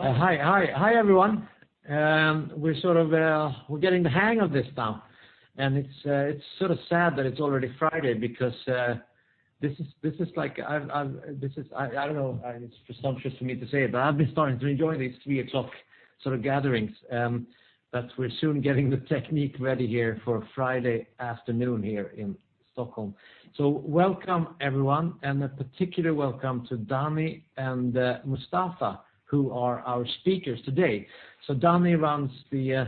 Hi, everyone. We're sort of getting the hang of this now, and it's sort of sad that it's already Friday because this is like, I don't know, it's presumptuous for me to say, but I've been starting to enjoy these 3:00 sort of gatherings. We're soon getting the technique ready here for a Friday afternoon here in Stockholm. Welcome, everyone, and a particular welcome to Dany and Mostafa, who are our speakers today. Dany runs the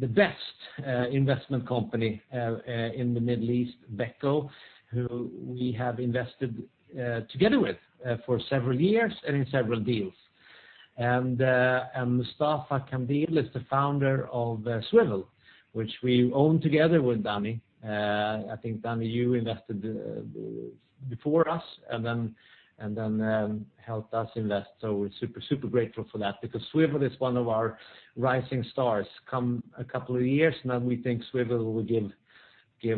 best investment company in the Middle East, BECO, who we have invested together with for several years and in several deals. Mostafa Kandil is the founder of Swvl, which we own together with Dany. I think Dany, you invested before us and then helped us invest. We're super grateful for that because Swvl is one of our rising stars. Come a couple of years, we think Swvl will give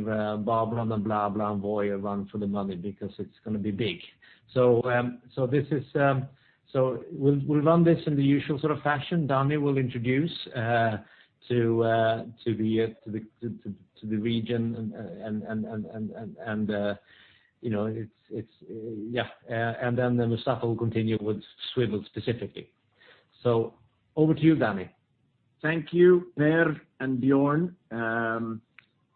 Blabla and Voi a run for the money because it's going to be big. We'll run this in the usual sort of fashion. Dany will introduce to the region Mostafa will continue with Swvl specifically. Over to you, Dany. Thank you, Per and Björn.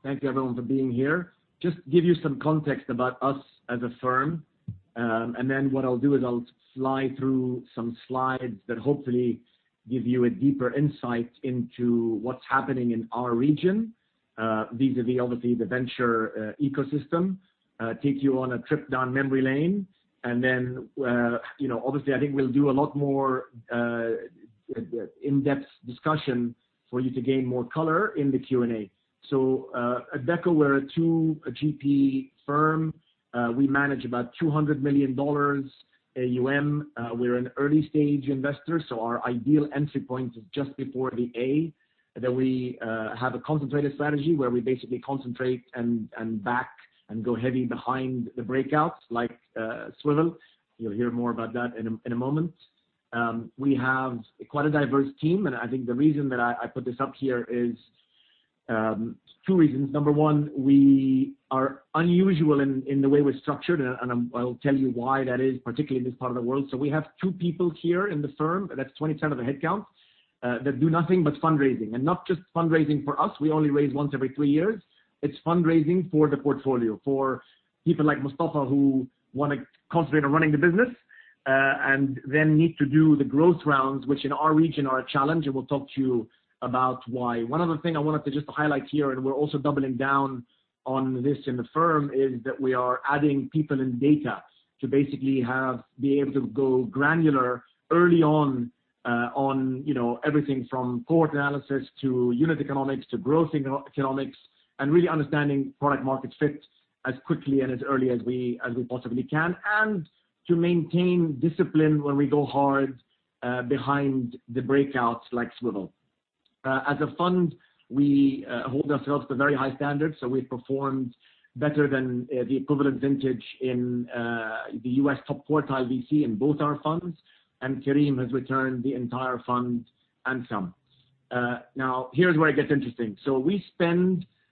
Thank you, everyone, for being here. Just give you some context about us as a firm, and then what I'll do is I'll fly through some slides that hopefully give you a deeper insight into what's happening in our region. Vis-à-vis obviously, the venture ecosystem, take you on a trip down memory lane, and then, obviously, I think we'll do a lot more in-depth discussion for you to gain more color in the Q&A. At BECO, we're a two GP firm. We manage about $200 million AUM. We're an early-stage investor, so our ideal entry point is just before the A. We have a concentrated strategy where we basically concentrate and back and go heavy behind the breakouts, like Swvl. You'll hear more about that in a moment. We have quite a diverse team, I think the reason that I put this up here is two reasons. Number one, we are unusual in the way we're structured, I'll tell you why that is, particularly in this part of the world. We have two people here in the firm, that's 20% of the headcount, that do nothing but fundraising. Not just fundraising for us, we only raise once every three years. It's fundraising for the portfolio, for people like Mostafa, who want to concentrate on running the business, need to do the growth rounds, which in our region are a challenge, we'll talk to you about why. One other thing I wanted to just highlight here, we're also doubling down on this in the firm, is that we are adding people in data to basically be able to go granular early on everything from cohort analysis to unit economics to growth economics, and really understanding product market fit as quickly and as early as we possibly can. To maintain discipline when we go hard behind the breakouts like Swvl. As a fund, we hold ourselves to very high standards, we've performed better than the equivalent vintage in the U.S. top quartile VC in both our funds, and Careem has returned the entire fund and some. Here's where it gets interesting.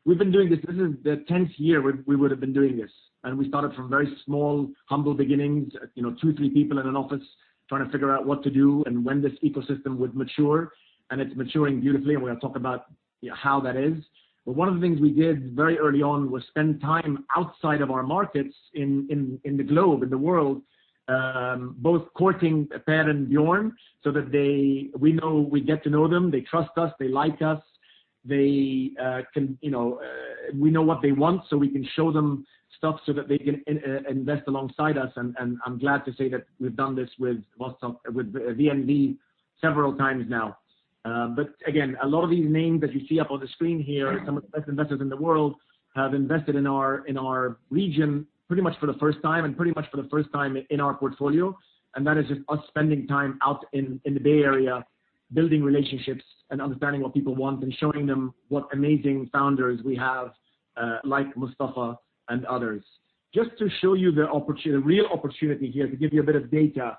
We've been doing this is the 10th year we would have been doing this. We started from very small, humble beginnings, two, three people in an office trying to figure out what to do and when this ecosystem would mature. It's maturing beautifully, and we're going to talk about how that is. One of the things we did very early on was spend time outside of our markets in the globe, in the world, both courting Per and Björn so that we get to know them, they trust us, they like us. We know what they want, so we can show them stuff so that they can invest alongside us. I'm glad to say that we've done this with VNV several times now. Again, a lot of these names that you see up on the screen here are some of the best investors in the world, have invested in our region pretty much for the first time and pretty much for the first time in our portfolio. That is just us spending time out in the Bay Area, building relationships and understanding what people want and showing them what amazing founders we have, like Mostafa and others. Just to show you the real opportunity here, to give you a bit of data.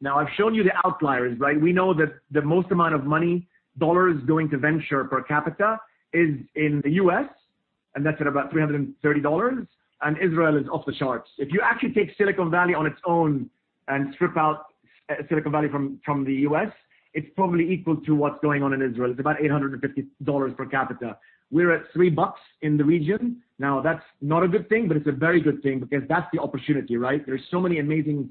Now, I've shown you the outliers. We know that the most amount of money, dollars going to venture per capita is in the U.S., and that's at about $330, and Israel is off the charts. If you actually take Silicon Valley on its own and strip out Silicon Valley from the U.S., it's probably equal to what's going on in Israel. It's about $850 per capita. We're at three bucks in the region. That's not a good thing, but it's a very good thing because that's the opportunity, right? There's so many amazing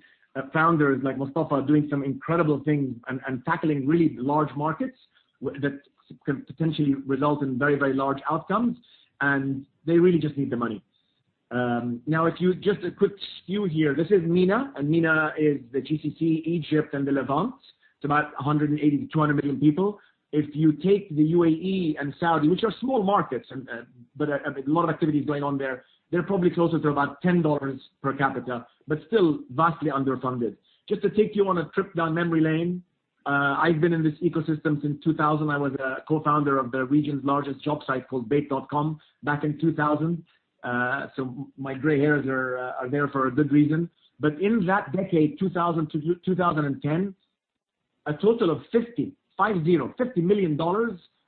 founders like Mostafa doing some incredible things and tackling really large markets that could potentially result in very large outcomes, and they really just need the money. Just a quick skew here. This is MENA, and MENA is the GCC, Egypt, and the Levant. It's about 180-200 million people. If you take the UAE and Saudi, which are small markets, but a lot of activities going on there, they're probably closer to about SEK 10 per capita, but still vastly underfunded. Just to take you on a trip down memory lane, I've been in this ecosystem since 2000. I was a co-founder of the region's largest job site called Bayt.com back in 2000. My gray hairs are there for a good reason. In that decade, 2000-2010, a total of $50 million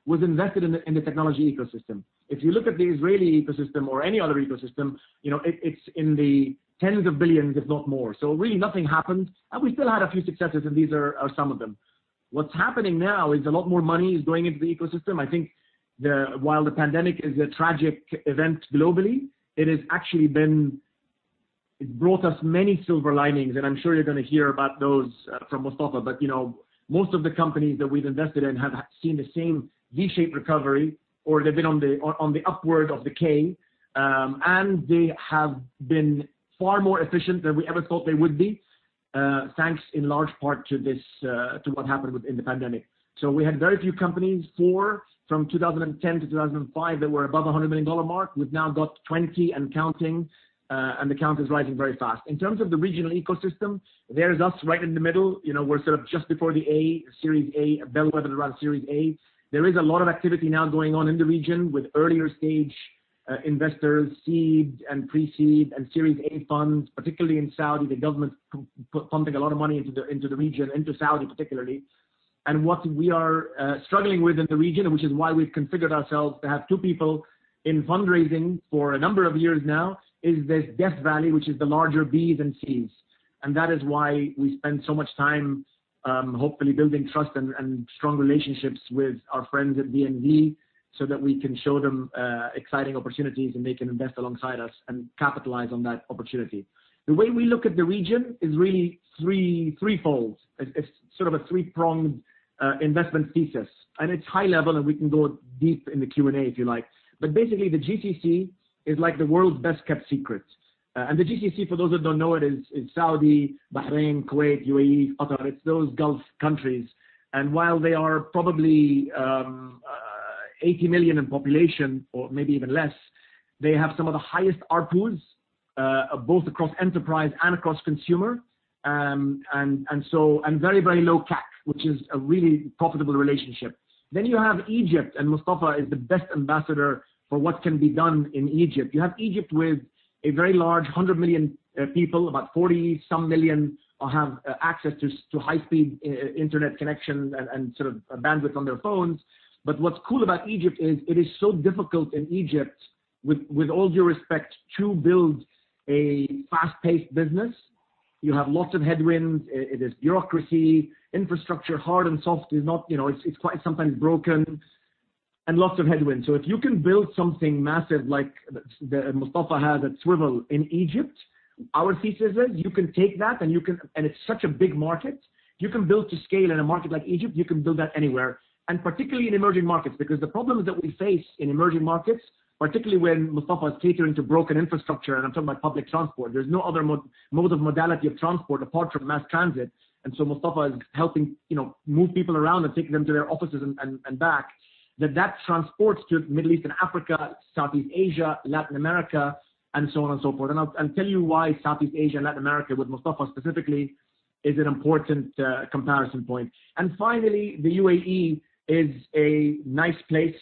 was invested in the technology ecosystem. If you look at the Israeli ecosystem or any other ecosystem, it's in the tens of billions, if not more. Really nothing happened, and we still had a few successes, and these are some of them. What's happening now is a lot more money is going into the ecosystem. I think while the pandemic is a tragic event globally, it has actually brought us many silver linings, and I'm sure you're going to hear about those from Mostafa. Most of the companies that we have invested in have seen the same V-shaped recovery, or they have been on the upward of the K, and they have been far more efficient than we ever thought they would be, thanks in large part to what happened within the pandemic. We had very few companies, four from 2010-2005, that were above the EGP 100 million mark, we have now got 20 and counting, and the count is rising very fast. In terms of the regional ecosystem, there is us right in the middle. We are sort of just before Series A, a bellwether around Series A. There is a lot of activity now going on in the region with earlier-stage investors, seed and pre-seed, and Series A funds, particularly in Saudi. The government is pumping a lot of money into the region, into Saudi particularly. What we are struggling with in the region, which is why we've configured ourselves to have two people in fundraising for a number of years now, is this valley of death, which is the larger Bs and Cs. That is why we spend so much time, hopefully building trust and strong relationships with our friends at VNV Global so that we can show them exciting opportunities and they can invest alongside us and capitalize on that opportunity. The way we look at the region is really threefold. It's sort of a three-pronged investment thesis, it's high level, we can go deep in the Q&A if you like. Basically, the GCC is like the world's best-kept secret. The GCC, for those that don't know, it is Saudi, Bahrain, Kuwait, UAE, Qatar. It's those Gulf countries. While they are probably 80 million in population, or maybe even less, they have some of the highest ARPUs, both across enterprise and across consumer, and very, very low CAC, which is a really profitable relationship. You have Egypt, and Mostafa is the best ambassador for what can be done in Egypt. You have Egypt with a very large 100 million people. About 40-some million have access to high-speed internet connection and bandwidth on their phones. What's cool about Egypt is it is so difficult in Egypt, with all due respect, to build a fast-paced business. You have lots of headwinds. It is bureaucracy, infrastructure, hard and soft, it's quite sometimes broken, and lots of headwinds. If you can build something massive like Mostafa has at Swvl in Egypt, our thesis is you can take that, and it's such a big market, if you can build to scale in a market like Egypt, you can build that anywhere, and particularly in emerging markets. The problems that we face in emerging markets, particularly when Mostafa is catering to broken infrastructure, and I'm talking about public transport, there's no other mode of modality of transport apart from mass transit. Mostafa is helping move people around and taking them to their offices and back, that that transports to Middle East and Africa, Southeast Asia, Latin America, and so on and so forth. I'll tell you why Southeast Asia and Latin America, with Mostafa specifically, is an important comparison point. Finally, the UAE is a nice place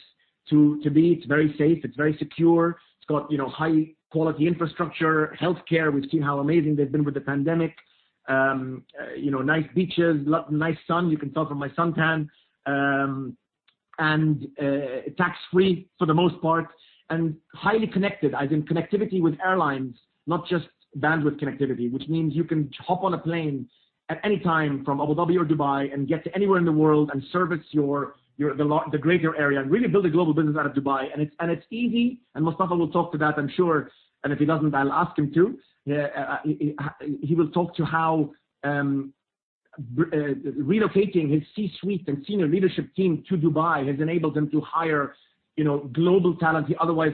to be. It's very safe. It's very secure. It's got high-quality infrastructure, healthcare. We've seen how amazing they've been with the pandemic. Nice beaches, nice sun, you can tell from my suntan, tax-free for the most part, highly connected as in connectivity with airlines, not just bandwidth connectivity, which means you can hop on a plane at any time from Abu Dhabi or Dubai get to anywhere in the world service the greater area, really build a global business out of Dubai. It's easy, Mostafa will talk to that, I'm sure. If he doesn't, I'll ask him to. He will talk to how relocating his C-suite and senior leadership team to Dubai has enabled them to hire global talent he otherwise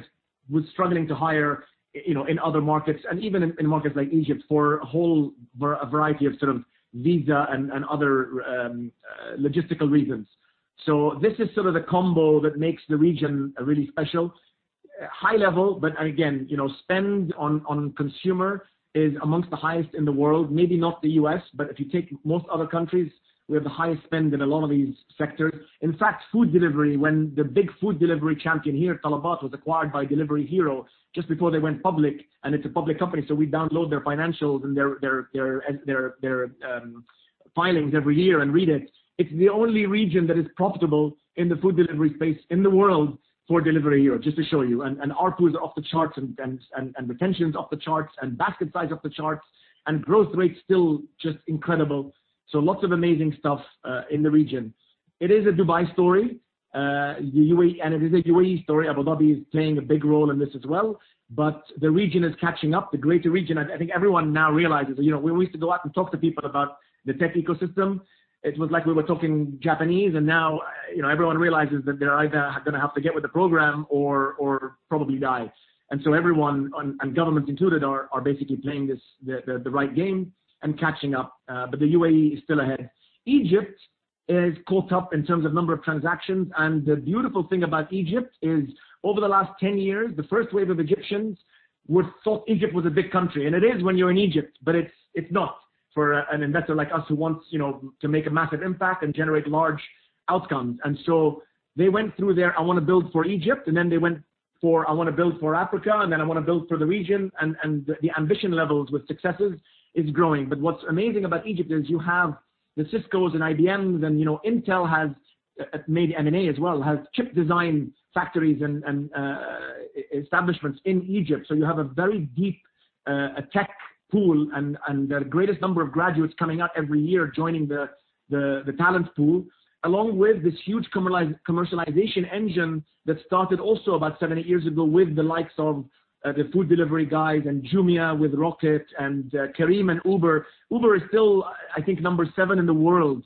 was struggling to hire in other markets, even in markets like Egypt for a whole variety of visa and other logistical reasons. This is sort of the combo that makes the region really special. High level, but again, spend on consumer is amongst the highest in the world. Maybe not the U.S., but if you take most other countries, we have the highest spend in a lot of these sectors. In fact, food delivery, when the big food delivery champion here, Talabat, was acquired by Delivery Hero just before they went public, and it's a public company, we download their financials and their filings every year and read it. It's the only region that is profitable in the food delivery space in the world for Delivery Hero, just to show you. ARPU is off the charts, and retention's off the charts, and basket size off the charts, and growth rates still just incredible. Lots of amazing stuff in the region. It is a Dubai story, and it is a UAE story. Abu Dhabi is playing a big role in this as well, but the region is catching up, the greater region. I think everyone now realizes. We used to go out and talk to people about the tech ecosystem, it was like we were talking Japanese, and now everyone realizes that they're either going to have to get with the program or probably die. Everyone, and government included, are basically playing the right game and catching up, but the UAE is still ahead. Egypt has caught up in terms of number of transactions, and the beautiful thing about Egypt is over the last 10 years, the first wave of Egyptians would thought Egypt was a big country, and it is when you're in Egypt, but it's not for an investor like us who wants to make a massive impact and generate large outcomes. They went through their, "I want to build for Egypt," and then they went for, "I want to build for Africa," and then, "I want to build for the region." The ambition levels with successes is growing. What's amazing about Egypt is you have the Ciscos and IBMs, and Intel has made M&A as well, has chip design factories and establishments in Egypt. You have a very deep tech pool, and the greatest number of graduates coming out every year joining the talent pool, along with this huge commercialization engine that started also about seven, eight years ago with the likes of the food delivery guys and Jumia, with Rocket and Careem and Uber. Uber is still, I think, number seven in the world,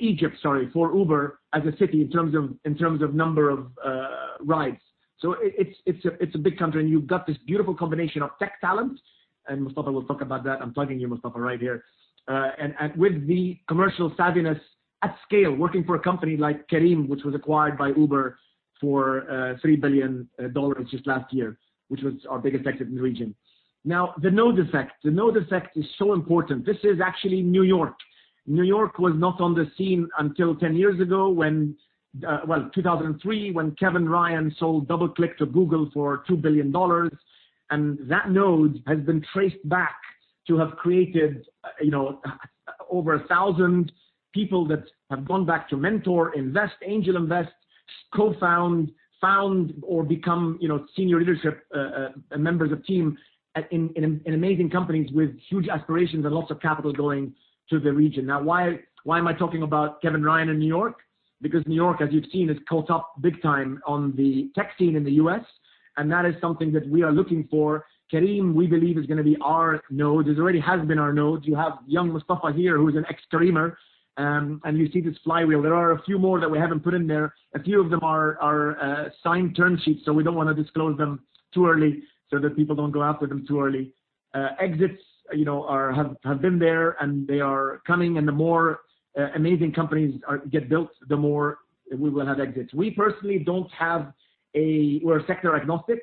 Egypt, sorry, for Uber as a city in terms of number of rides. It's a big country, and you've got this beautiful combination of tech talent, and Mostafa will talk about that. I'm plugging you, Mostafa, right here. With the commercial savviness at scale, working for a company like Careem, which was acquired by Uber for $3 billion just last year, which was our biggest exit in the region. The network effect. The network effect is so important. This is actually N.Y. N.Y. was not on the scene until 10 years ago, well, 2003, when Kevin Ryan sold DoubleClick to Google for $2 billion. That node has been traced back to have created over 1,000 people that have gone back to mentor, invest, angel invest, co-found, found or become senior leadership, members of team in amazing companies with huge aspirations and lots of capital going to the region. Why am I talking about Kevin Ryan in N.Y.? N.Y., as you've seen, is caught up big time on the tech scene in the U.S., and that is something that we are looking for. Careem, we believe is going to be our node, is already has been our node. You have young Mostafa here, who's an ex-Careemer, and you see this flywheel. There are a few more that we haven't put in there. A few of them are signed term sheets, so we don't want to disclose them too early, so that people don't go after them too early. Exits have been there, and they are coming, and the more amazing companies get built, the more we will have exits. We personally are sector agnostic.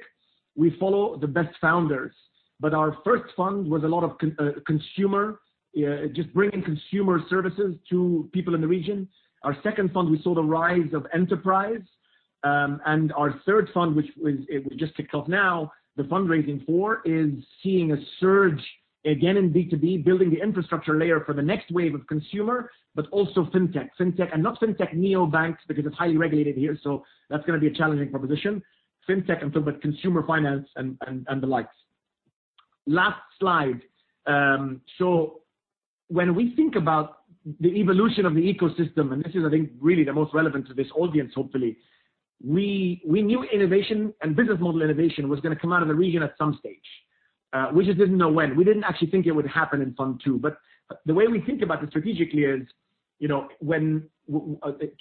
We follow the best founders. Our first fund was a lot of consumer, just bringing consumer services to people in the region. Our second fund, we saw the rise of enterprise. Our third fund, which we just kicked off now, the fundraising for, is seeing a surge again in B2B, building the infrastructure layer for the next wave of consumer, but also fintech. Not fintech neobanks, because it's highly regulated here, so that's going to be a challenging proposition. Fintech and consumer finance and the likes. Last slide. When we think about the evolution of the ecosystem, and this is, I think, really the most relevant to this audience, hopefully, we knew innovation and business model innovation was going to come out of the region at some stage. We just didn't know when. We didn't actually think it would happen in fund two. The way we think about it strategically is, you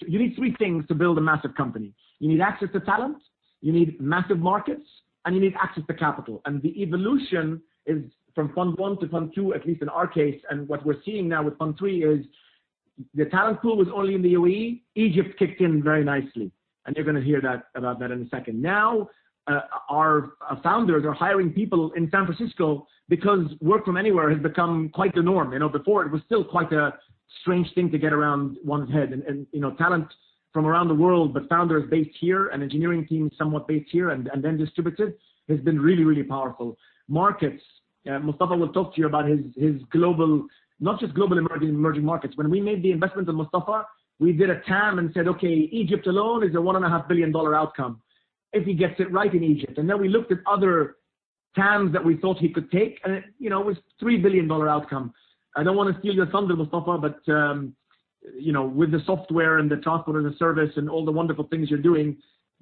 need three things to build a massive company. You need access to talent, you need massive markets, and you need access to capital. The evolution is from fund one to fund two, at least in our case, and what we're seeing now with fund three is the talent pool was only in the UAE, Egypt kicked in very nicely, and you're going to hear about that in a second. Now, our founders are hiring people in San Francisco because work from anywhere has become quite the norm. Before, it was still quite a strange thing to get around one's head. Talent from around the world, but founders based here and engineering teams somewhat based here and then distributed, has been really, really powerful. Markets, Mostafa will talk to you about his global, not just global, emerging markets. When we made the investment on Mostafa, we did a TAM and said, okay, Egypt alone is a SEK 1.5 billion outcome if he gets it right in Egypt. Then we looked at other TAMs that we thought he could take, and it was SEK 3 billion outcome. I don't want to steal your thunder, Mostafa, but, with the software and the Software as a Service and all the wonderful things you're doing,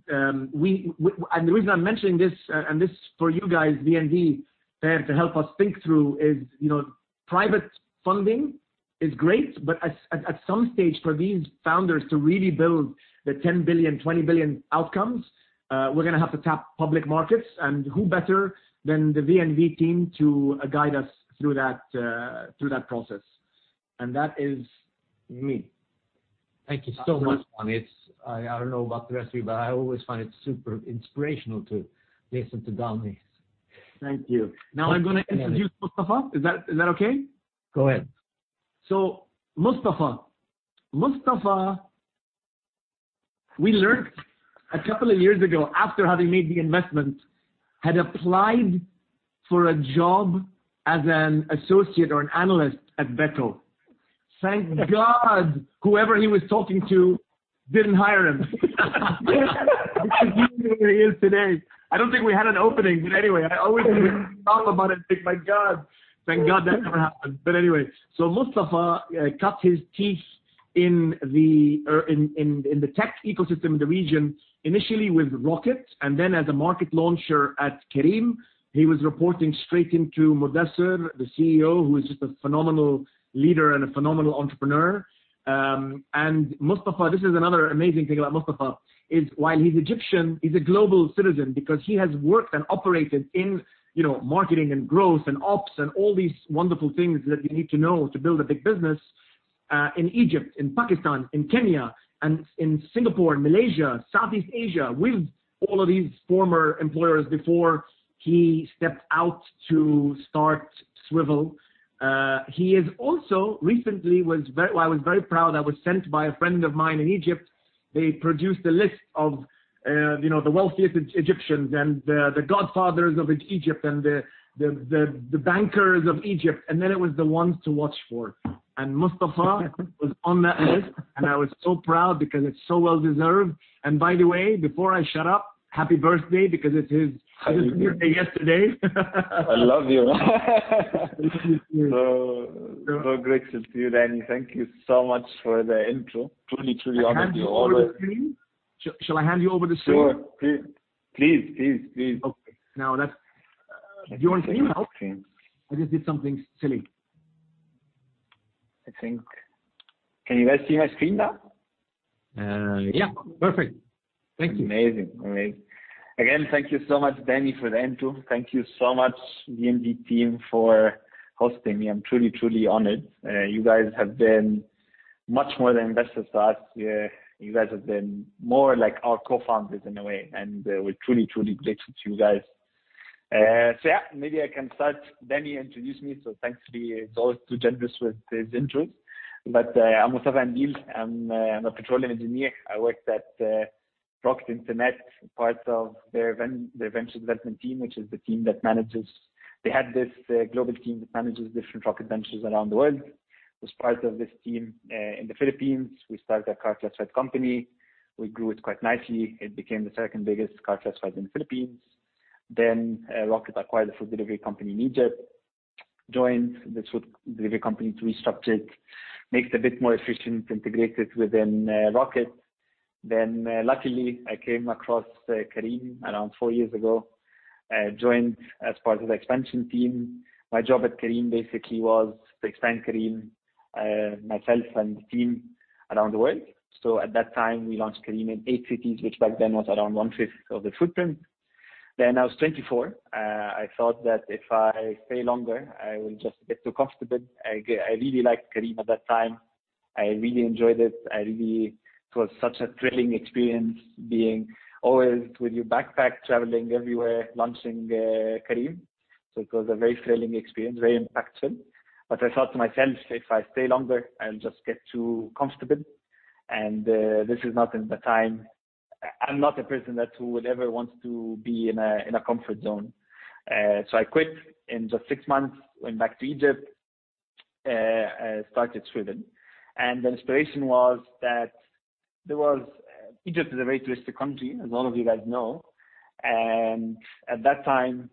and the reason I'm mentioning this, and this for you guys, VNV, to help us think through is, private funding is great, but at some stage for these founders to really build the 10 billion, 20 billion outcomes, we're going to have to tap public markets and who better than the VNV team to guide us through that process. That is me. Thank you so much, Dany. I don't know about the rest of you, but I always find it super inspirational to listen to Dany. Thank you. Now I'm going to introduce Mostafa. Is that okay? Go ahead. Mostafa. Mostafa, we learned a couple of years ago, after having made the investment, had applied for a job as an associate or an analyst at BECO Capital. Thank God whoever he was talking to didn't hire him. He wouldn't be where he is today. I don't think we had an opening. I always think about it and think, "My God, thank God that never happened." Mostafa cut his teeth in the tech ecosystem in the region, initially with Rocket, and then as a market launcher at Careem. He was reporting straight into Mudassir, the CEO, who is just a phenomenal leader and a phenomenal entrepreneur. Mostafa, this is another amazing thing about Mostafa, is while he's Egyptian, he's a global citizen because he has worked and operated in marketing and growth and ops and all these wonderful things that you need to know to build a big business, in Egypt, in Pakistan, in Kenya, and in Singapore and Malaysia, Southeast Asia, with all of these former employers before he stepped out to start Swvl. He is also recently Well, I was very proud, I was sent by a friend of mine in Egypt. They produced a list of the wealthiest Egyptians and the godfathers of Egypt and the bankers of Egypt, and then it was the ones to watch for. Mostafa was on that list, and I was so proud because it's so well-deserved. By the way, before I shut up, happy birthday, because it's his birthday yesterday. I love you. I love you too. Grateful to you, Dany. Thank you so much for the intro. Truly honored. Shall I hand you over the screen? Sure. Please. Okay. Oh, I just did something silly. I think. Can you guys see my screen now? Yeah. Perfect. Thank you. Amazing. Again, thank you so much, Dany, for the intro. Thank you so much, VNV team, for hosting me. I am truly honored. You guys have been much more than investors to us. You guys have been more like our co-founders in a way, and we are truly grateful to you guys. Yeah, maybe I can start. Dany introduced me, so thanks be, he is always too generous with his intros. I am Mostafa Kandil. I am a petroleum engineer. I worked at Rocket Internet, part of their venture development team, which is the team that manages. They had this global team that manages different Rocket ventures around the world. I was part of this team in the Philippines. We started a car classified company. We grew it quite nicely. It became the second-biggest car classified in the Philippines. Rocket acquired a food delivery company in Egypt, joined this food delivery company to restructure it, make it a bit more efficient, integrated within Rocket. Luckily, I came across Careem around four years ago, joined as part of the expansion team. My job at Careem basically was to expand Careem, myself and team, around the world. At that time, we launched Careem in eight cities, which back then was around one-fifth of the footprint. I was 24. I thought that if I stay longer, I will just get too comfortable. I really liked Careem at that time. I really enjoyed it. It was such a thrilling experience, being always with your backpack, traveling everywhere, launching Careem. It was a very thrilling experience, very impactful. I thought to myself, if I stay longer, I'll just get too comfortable. I'm not a person who would ever want to be in a comfort zone. I quit in just six months, went back to Egypt, started Swvl. The inspiration was that Egypt is a very touristic country, as all of you guys know. At that time,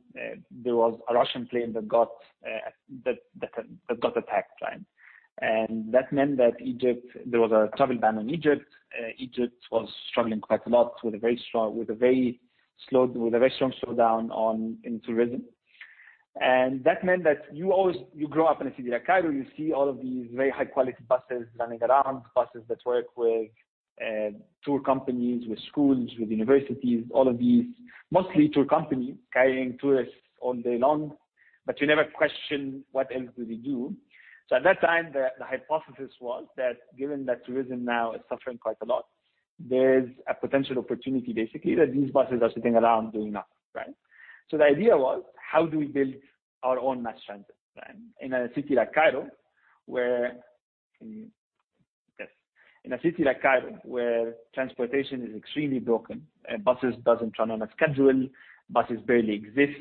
there was a Russian plane that got attacked. That meant that there was a travel ban on Egypt. Egypt was struggling quite a lot with a very strong slowdown in tourism. That meant that you grow up in a city like Cairo, you see all of these very high-quality buses running around, buses that work with tour companies, with schools, with universities, all of these. Mostly tour companies carrying tourists all day long, you never question what else do they do. At that time, the hypothesis was that given that tourism now is suffering quite a lot, there's a potential opportunity, basically, that these buses are sitting around doing nothing. The idea was, how do we build our own mass transit system? In a city like Cairo, where transportation is extremely broken, buses doesn't run on a schedule, buses barely exist.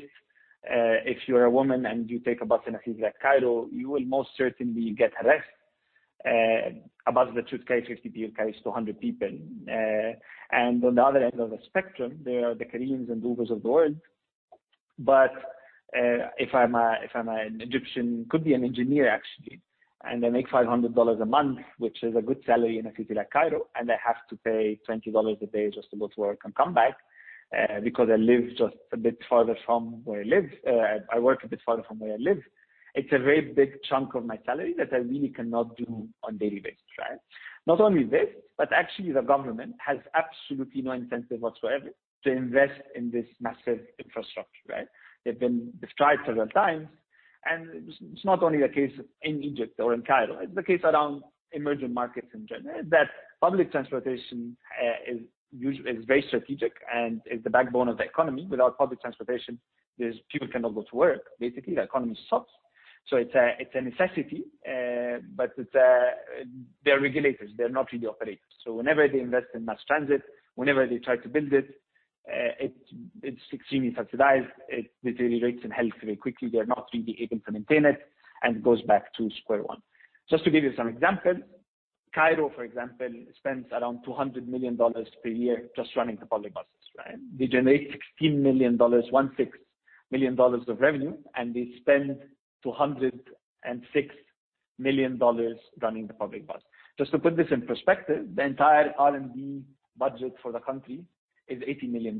If you're a woman and you take a bus in a city like Cairo, you will most certainly get harassed. A bus that should carry 50 people carries 200 people. On the other end of the spectrum, there are the Careems and Ubers of the world. If I'm an Egyptian, could be an engineer actually, and I make SEK 500 a month, which is a good salary in a city like Cairo, and I have to pay SEK 20 a day just to go to work and come back because I work a bit farther from where I live, it's a very big chunk of my salary that I really cannot do on daily basis. Not only this, actually the government has absolutely no incentive whatsoever to invest in this massive infrastructure. They've been destroyed several times, and it's not only the case in Egypt or in Cairo, it's the case around emerging markets in general, that public transportation is very strategic and is the backbone of the economy. Without public transportation, people cannot go to work, basically, the economy stops. So it's a necessity. They're regulators, they're not really operators. Whenever they invest in mass transit, whenever they try to build it's extremely subsidized, it deteriorates in health very quickly. They're not really able to maintain it, and it goes back to square one. Just to give you some examples, Cairo, for example, spends around $200 million per year just running the public buses. They generate $16 million, one-six million dollars of revenue, and they spend $206 million running the public bus. Just to put this in perspective, the entire R&D budget for the country is $80 million.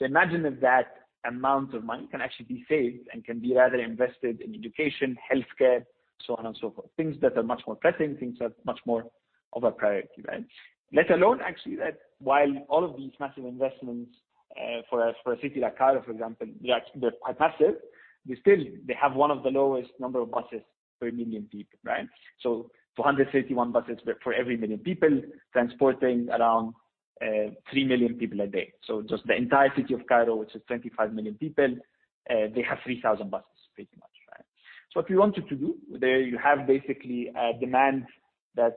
Imagine if that amount of money can actually be saved and can be rather invested in education, healthcare, so on and so forth. Things that are much more pressing, things that are much more of a priority. Let alone actually, that while all of these massive investments for a city like Cairo, for example, they're quite massive, they have one of the lowest number of buses per million people. 261 buses for every million people, transporting around three million people a day. Just the entire city of Cairo, which is 25 million people, they have 3,000 buses, pretty much. What we wanted to do, there you have basically a demand that's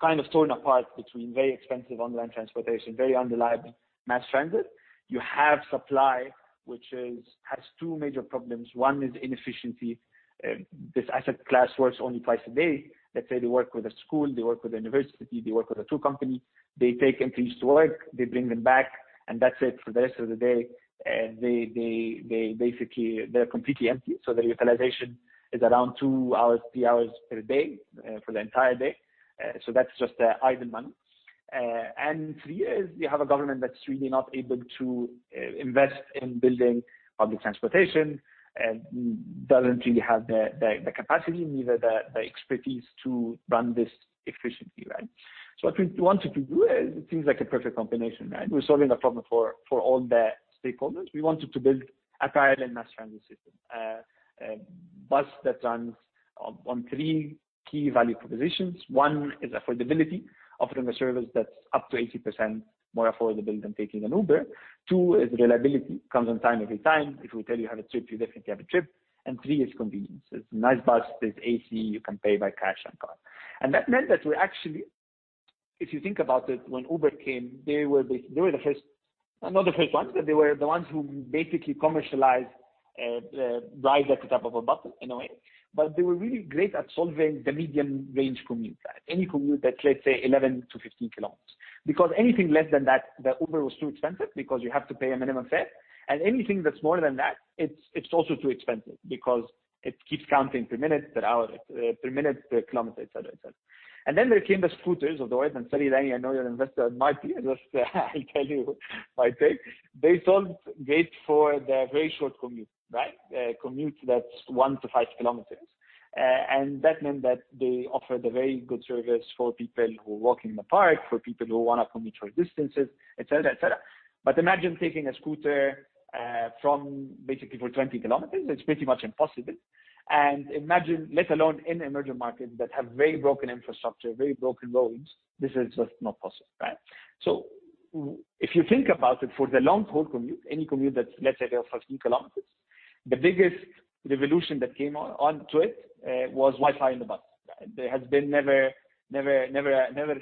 kind of torn apart between very expensive online transportation, very unreliable mass transit. You have supply, which has two major problems. One is inefficiency. This asset class works only twice a day. Let's say they work with a school, they work with a university, they work with a tour company. They take employees to work, they bring them back, and that's it for the rest of the day. They're completely empty, so their utilization is around two hours, three hours per day, for the entire day. That's just idle money. Three is you have a government that's really not able to invest in building public transportation, and doesn't really have the capacity, neither the expertise to run this efficiently. What we wanted to do is it seems like a perfect combination, right? We're solving a problem for all the stakeholders. We wanted to build a private mass transit system, a bus that runs on three key value propositions. One is affordability, offering a service that's up to 80% more affordable than taking an Uber. Two is reliability. Comes on time every time. If we tell you have a trip, you definitely have a trip. Three is convenience. It's a nice bus, there's AC, you can pay by cash and card. That meant that we actually, if you think about it, when Uber came, they were the first, not the first ones, but they were the ones who basically commercialized rides at the tap of a button, in a way. They were really great at solving the medium-range commute. Any commute that's, let's say, 11 km-15 km. Anything less than that, the Uber was too expensive because you have to pay a minimum fare, and anything that's more than that, it's also too expensive because it keeps counting per minute, per kilometer, et cetera. Then there came the scooters of the world, Salih Zaiy, I know you're an investor, and my investor I'll tell you my take. They solved great for the very short commute. A commute that's one to five kilometers. That meant that they offered a very good service for people who work in the park, for people who want to commute short distances, et cetera. Imagine taking a scooter basically for 20 km, it's pretty much impossible. Imagine, let alone in emerging markets that have very broken infrastructure, very broken roads, this is just not possible. If you think about it, for the long haul commute, any commute that's, let's say, 12 km, 15 km, the biggest revolution that came onto it was Wi-Fi on the bus. There has been never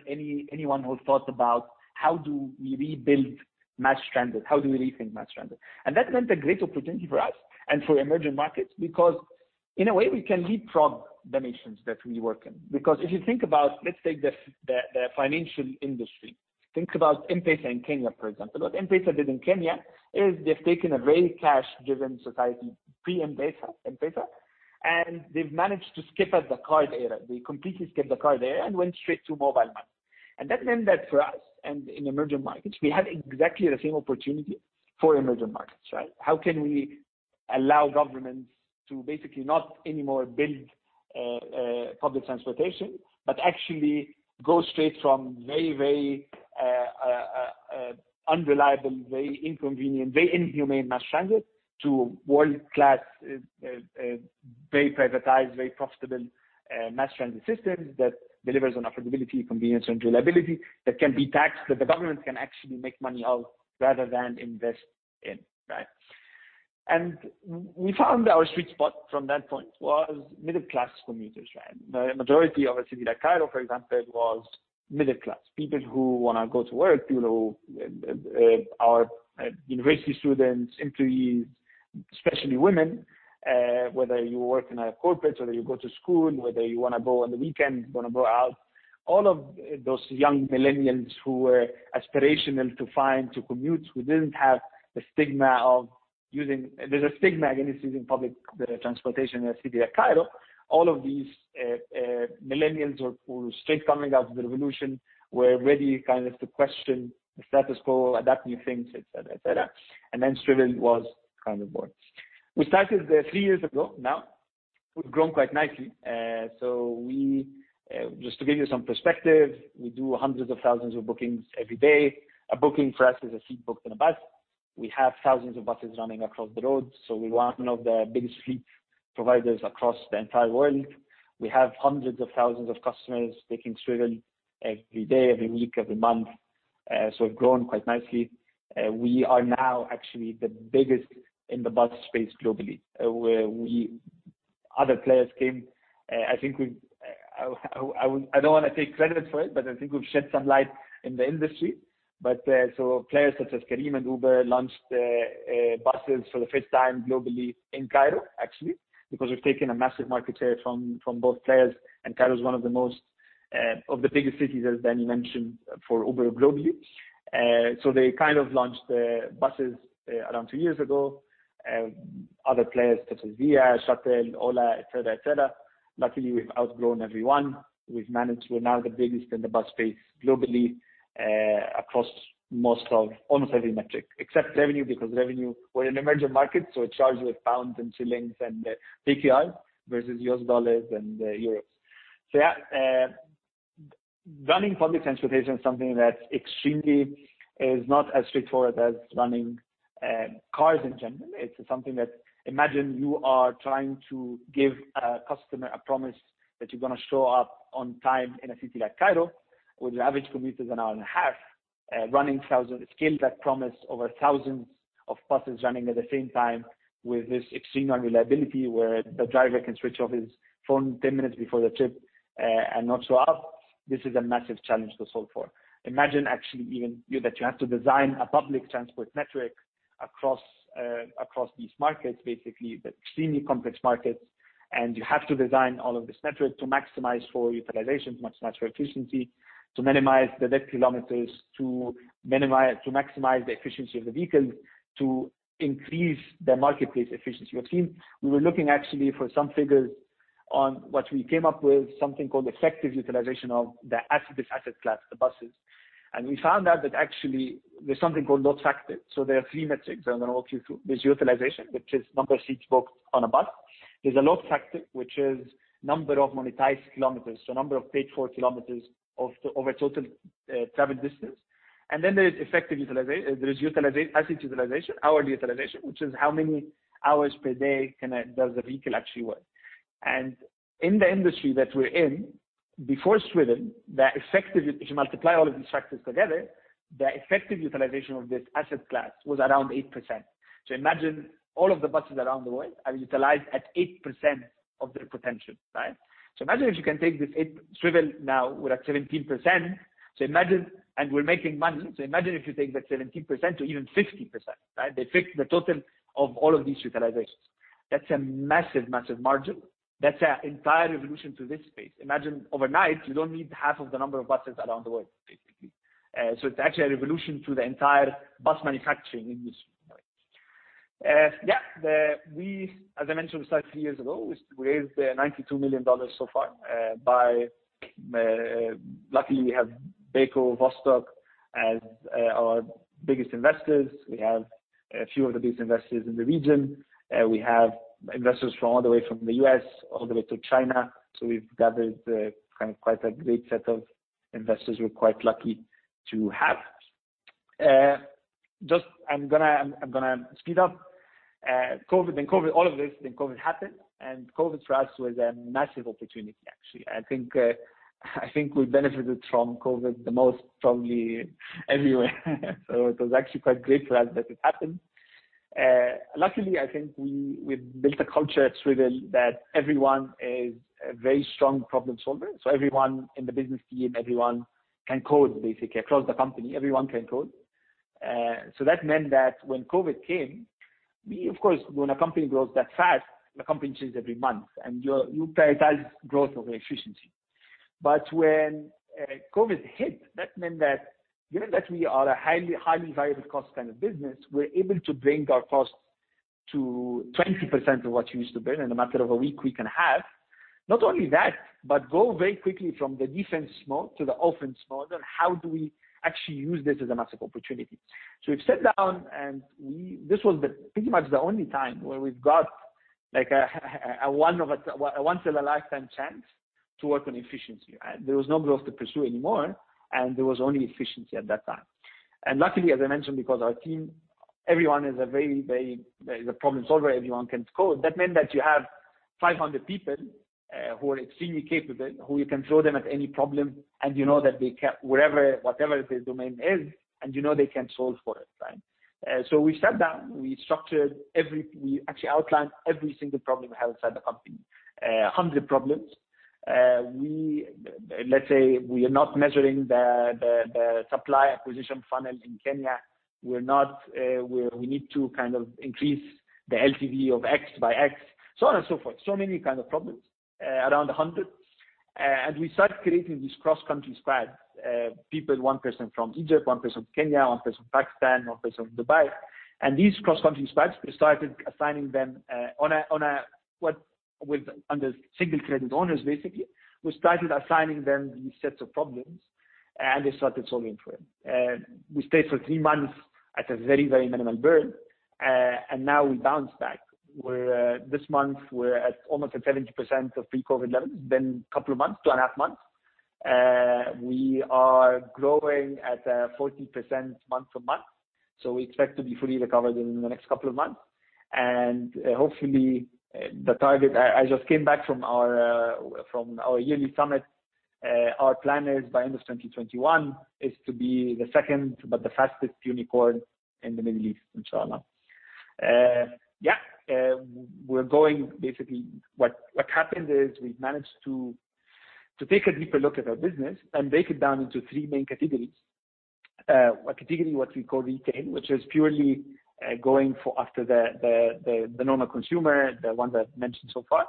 anyone who thought about how do we rebuild mass transit, how do we rethink mass transit? That meant a great opportunity for us and for emerging markets, because in a way, we can leapfrog the nations that we work in. If you think about, let's take the financial industry. Think about M-PESA in Kenya, for example. What M-PESA did in Kenya is they've taken a very cash-driven society, pre-M-PESA, and they've managed to skip at the card era. They completely skipped the card era and went straight to mobile money. That meant that for us, and in emerging markets, we have exactly the same opportunity for emerging markets. How can we allow governments to basically not anymore build public transportation, but actually go straight from very unreliable, very inconvenient, very inhumane mass transit to world-class, very privatized, very profitable mass transit systems that delivers on affordability, convenience, and reliability that can be taxed, that the government can actually make money out rather than invest in. We found our sweet spot from that point was middle-class commuters. The majority of a city like Cairo, for example, was middle class. People who want to go to work, people who are university students, employees, especially women, whether you work in a corporate or you go to school, whether you want to go on the weekend, want to go out. All of those young millennials who were aspirational to find, to commute. There's a stigma against using public transportation in a city like Cairo. All of these millennials who, straight coming out of the revolution, were ready to question the status quo, adapt new things, et cetera. Swvl was kind of born. We started three years ago now. We've grown quite nicely. Just to give you some perspective, we do hundreds of thousands of bookings every day. A booking for us is a seat booked on a bus. We have thousands of buses running across the road, we're one of the biggest fleet providers across the entire world. We have hundreds of thousands of customers taking Swvl every day, every week, every month. We've grown quite nicely. We are now actually the biggest in the bus space globally. Other players came. I don't want to take credit for it, I think we've shed some light in the industry. Players such as Careem and Uber launched buses for the first time globally in Cairo, actually, because we've taken a massive market share from both players, Cairo's one of the biggest cities, as Dany mentioned, for Uber globally. They kind of launched the buses around two years ago. Other players, such as Via, Shuttl, Ola, et cetera. Luckily, we've outgrown everyone. We've managed, we're now the biggest in the bus space globally, across almost every metric. Except revenue, because revenue, we're in emerging markets, so it charges with pounds and shillings and KES versus USD and EUR. Yeah, running public transportation is something that extremely is not as straightforward as running cars in general. It's something that, imagine you are trying to give a customer a promise that you're going to show up on time in a city like Cairo, where the average commute is an hour and a half. Scale that promise over thousands of buses running at the same time with this extreme unreliability where the driver can switch off his phone 10 minutes before the trip and not show up, this is a massive challenge to solve for. Imagine actually even that you have to design a public transport network across these markets, basically, the extremely complex markets, and you have to design all of this network to maximize for utilization, maximize for efficiency, to minimize the dead kilometers, to maximize the efficiency of the vehicles, to increase the marketplace efficiency. Our team, we were looking actually for some figures on what we came up with, something called effective utilization of the asset, this asset class, the buses. We found out that actually there's something called load factor. There are three metrics that I'm going to walk you through. There's utilization, which is number of seats booked on a bus. There's a load factor, which is number of monetized kilometers, so number of paid-for kilometers over total traveled distance. There is asset utilization, hourly utilization, which is how many hours per day does the vehicle actually work. In the industry that we're in, before Swvl, if you multiply all of these factors together, the effective utilization of this asset class was around 8%. Imagine all of the buses around the world are utilized at 8% of their potential, right? Imagine if you can take this 8%, Swvl now, we're at 17%, and we're making money. Imagine if you take that 17% to even 50%, right? The total of all of these utilizations. That's a massive margin. That's an entire revolution to this space. Imagine overnight, you don't need half of the number of buses around the world, basically. It's actually a revolution to the entire bus manufacturing industry. Yeah. We, as I mentioned, we started three years ago. We raised $92 million so far. Luckily, we have BECO, Vostok, as our biggest investors. We have a few of the biggest investors in the region. We have investors from all the way from the U.S., all the way to China. We've gathered quite a great set of investors we're quite lucky to have. I'm going to speed up. All of this, then COVID happened, and COVID for us was a massive opportunity, actually. I think we benefited from COVID the most, probably everywhere. It was actually quite great for us that it happened. Luckily, I think we built a culture at Swvl that everyone is a very strong problem solver. Everyone in the business team, everyone can code, basically, across the company, everyone can code. That meant that when COVID came, of course, when a company grows that fast, the company changes every month and you prioritize growth over efficiency. When COVID hit, that meant that given that we are a highly variable cost kind of business, we're able to bring our costs to 20% of what it used to be, and in a matter of a week, we can halve. Not only that, go very quickly from the defense mode to the offense mode, and how do we actually use this as a massive opportunity. We've sat down, and this was pretty much the only time where we've got a once in a lifetime chance to work on efficiency, right? There was no growth to pursue anymore, and there was only efficiency at that time. Luckily, as I mentioned, because our team, everyone is a problem solver, everyone can code. That meant that you have 500 people who are extremely capable, who you can throw them at any problem, and you know that whatever their domain is, and you know they can solve for it, right? We sat down, we structured, we actually outlined every single problem we have inside the company, 100 problems. Let's say we are not measuring the supply acquisition funnel in Kenya, we need to increase the LTV of X by X, so on and so forth. Many kind of problems, around 100. We started creating these cross-country squads, people, one person from Egypt, one person from Kenya, one person from Pakistan, one person from Dubai. These cross-country squads, we started assigning them under single threaded owners, basically. We started assigning them these sets of problems. They started solving for it. We stayed for three months at a very, very minimal burn. Now we bounced back, where this month we're at almost at 70% of pre-COVID levels. It's been a couple of months, two and a half months. We are growing at 40% month-to-month. We expect to be fully recovered in the next couple of months. Hopefully, the target, I just came back from our yearly summit, our plan is by end of 2021, is to be the second, but the fastest unicorn in the Middle East, Inshallah. Yeah. Basically what happened is we managed to take a deeper look at our business and break it down into three main categories. A category what we call retail, which is purely going after the normal consumer, the one that I've mentioned so far.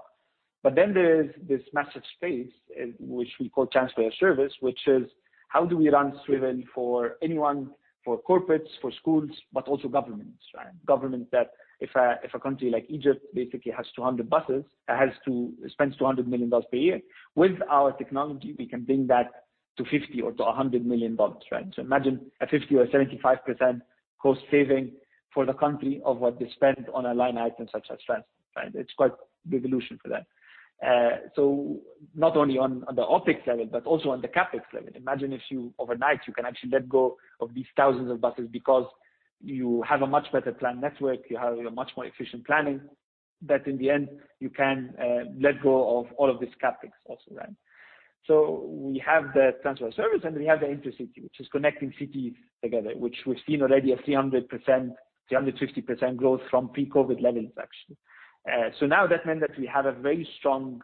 There's this massive space, which we call transport as a service, which is how do we run Swvl for anyone, for corporates, for schools, but also governments, right? Governments that if a country like Egypt basically has 200 buses, it has to spend $200 million per year. With our technology, we can bring that to 50 million or to SEK 100 million, right? Imagine a 50% or 75% cost saving for the country of what they spend on a line item such as transport, right? It's quite a big revolution for them. Not only on the OpEx level, but also on the CapEx level. Imagine if you, overnight, you can actually let go of these thousands of buses because you have a much better planned network, you have a much more efficient planning. That in the end, you can let go of all of these CapEx also. We have the transport as a service and we have the intercity, which is connecting cities together, which we've seen already a 300%, 350% growth from pre-COVID levels, actually. Now that meant that we have a very strong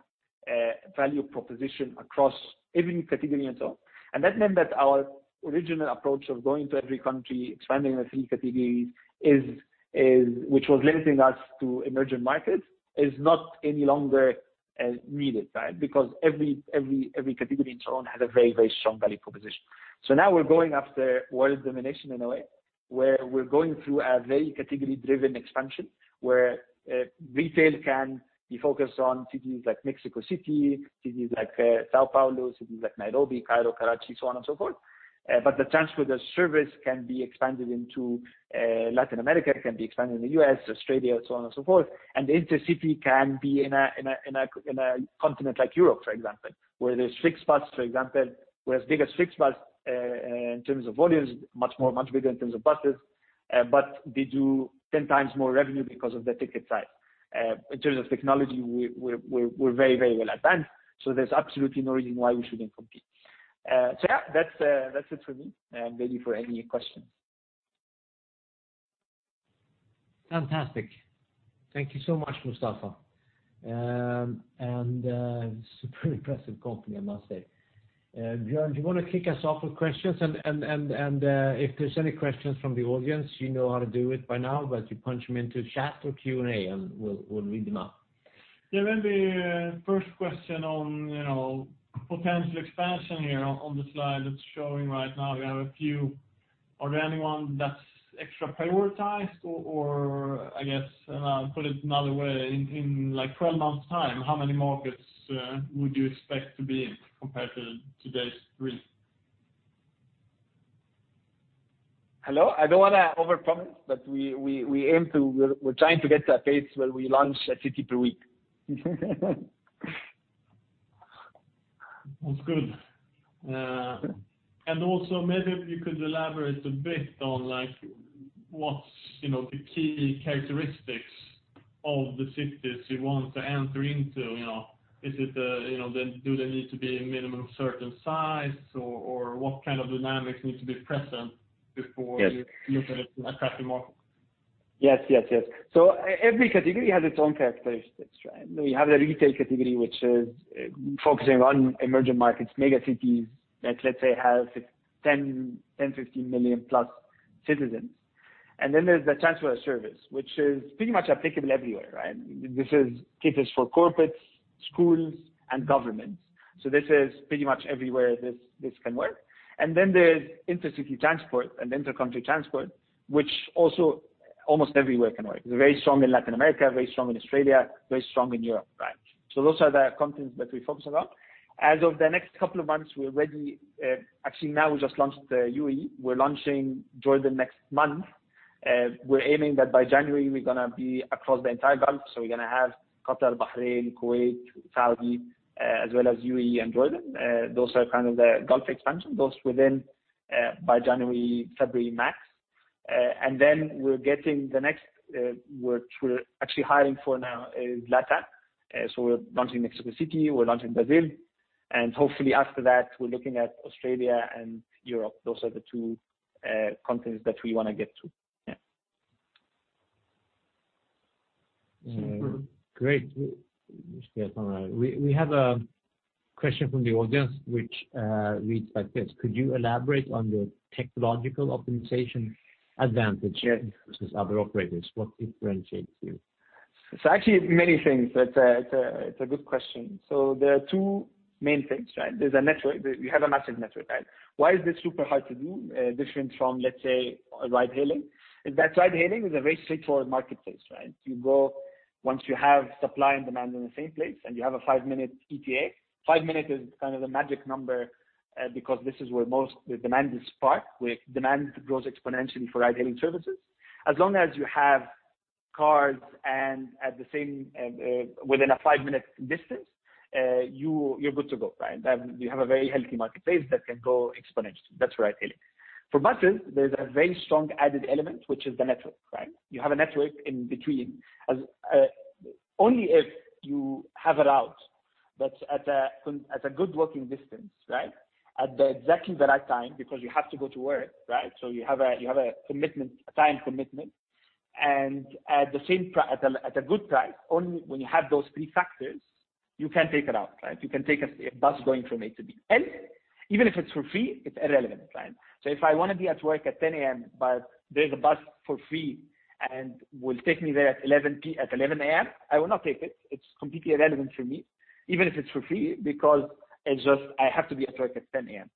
value proposition across every category and so on. That meant that our original approach of going to every country, expanding the three categories, which was letting us to emerging markets, is not any longer needed. Every category on its own has a very strong value proposition. Now we're going after world domination in a way, where we're going through a very category-driven expansion, where retail can be focused on cities like Mexico City, cities like São Paulo, cities like Nairobi, Cairo, Karachi, so on and so forth. The transport as a service can be expanded into Latin America, can be expanded in the U.S., Australia, so on and so forth. The intercity can be in a continent like Europe, for example, where there's FlixBus, for example, we're as big as FlixBus, in terms of volumes, much more, much bigger in terms of buses. They do 10 times more revenue because of the ticket size. In terms of technology, we're very well advanced. There's absolutely no reason why we shouldn't compete. Yeah, that's it for me. Ready for any questions. Fantastic. Thank you so much, Mostafa. Super impressive company, I must say. Björn, do you want to kick us off with questions? If there's any questions from the audience, you know how to do it by now, but you punch me into chat or Q&A, and we'll read them up. Maybe first question on potential expansion here on the slide that's showing right now. We have a few. Are there anyone that's extra prioritized or, I guess, put it another way, in 12 months time, how many markets would you expect to be in compared to today's three? Hello, I don't want to overpromise, but we're trying to get to a phase where we launch a city per week. That's good. Also maybe if you could elaborate a bit on what's the key characteristics of the cities you want to enter into? Do they need to be a minimum certain size or what kind of dynamics need to be present before? Yes. You look at it as an attractive market? Yes. Every category has its own characteristics. You have the retail category, which is focusing on emerging markets, megacities that, let's say, have 10, 15 million plus citizens. Then there's the transport as a service, which is pretty much applicable everywhere. This caters for corporates, schools, and governments. This is pretty much everywhere this can work. Then there's intercity transport and intercountry transport, which also almost everywhere can work. It's very strong in Latin America, very strong in Australia, very strong in Europe. Those are the continents that we focus on. As of the next couple of months, we're ready. Actually, now we just launched the U.A.E. We're launching Jordan next month. We're aiming that by January we're going to be across the entire Gulf. We're going to have Qatar, Bahrain, Kuwait, Saudi, as well as U.A.E. and Jordan. Those are kind of the Gulf expansion, those within by January, February max. Then we're getting the next, which we're actually hiring for now, is LATAM. We're launching Mexico City, we're launching Brazil. Hopefully after that, we're looking at Australia and Europe. Those are the two continents that we want to get to. Yeah. Great. We have a question from the audience which reads like this: Could you elaborate on the technological optimization advantage- Yeah. versus other operators? What differentiates you? Actually many things. It's a good question. There are two main things. There's a network. We have a massive network. Why is this super hard to do? Different from, let's say, a ride-hailing. Is that ride-hailing is a very straightforward marketplace. You go, once you have supply and demand in the same place and you have a five-minute ETA, five minutes is kind of the magic number, because this is where most the demand is sparked, where demand grows exponentially for ride-hailing services. As long as you have cars and within a five-minute distance, you're good to go. You have a very healthy marketplace that can grow exponentially. That's ride-hailing. For buses, there's a very strong added element, which is the network. You have a network in between. Only if you have a route that's at a good working distance. At exactly the right time, because you have to go to work. You have a time commitment, and at a good price. Only when you have those three factors, you can take a route. You can take a bus going from A to B. Even if it's for free, it's irrelevant. If I want to be at work at 10:00 A.M., but there's a bus for free and will take me there at 11:00 A.M., I will not take it. It's completely irrelevant for me, even if it's for free, because I have to be at work at 10:00 A.M.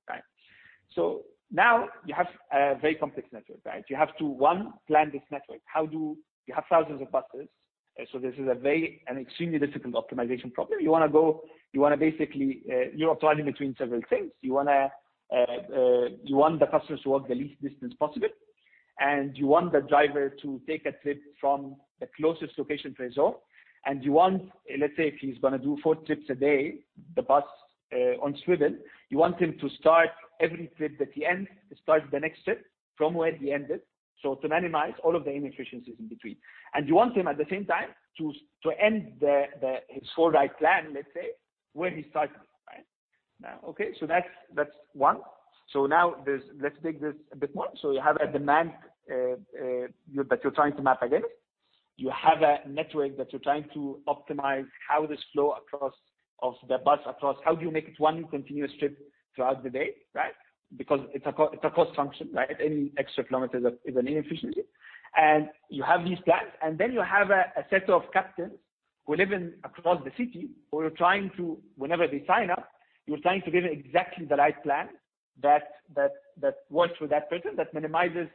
Now you have a very complex network. You have to, one, plan this network. You have thousands of buses. This is an extremely difficult optimization problem. You're toggling between several things. You want the customers to walk the least distance possible, and you want the driver to take a trip from the closest location to his home, and you want, let's say, if he's going to do four trips a day, the bus on Swvl, you want him to start every trip that he ends, start the next trip from where he ended. To minimize all of the inefficiencies in between. You want him, at the same time, to end his four ride plan, let's say, where he started. Okay. That's one. Now, let's take this a bit more. You have a demand that you're trying to map against. You have a network that you're trying to optimize how this flow across of the bus across, how do you make it one continuous trip throughout the day? Because it's a cost function, right? Any extra kilometer is an inefficiency. You have these plans, and then you have a set of captains who live in across the city who are trying to, whenever they sign up, you're trying to give them exactly the right plan that works for that person, that minimizes